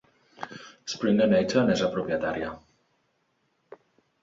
Springer Nature n'és la propietària.